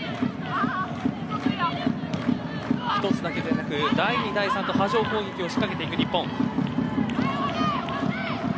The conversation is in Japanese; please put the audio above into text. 一つだけではなく第２第３と波状攻撃を仕掛けていく日本。